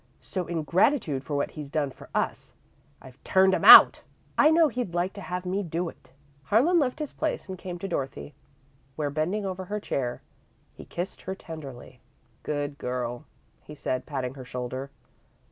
So, in gratitude for what he's done for us, I've turned 'em out. I know he'd like to have me do it." Harlan left his place and came to Dorothy, where, bending over her chair, he kissed her tenderly. "Good girl," he said, patting her shoulder.